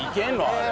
あれ。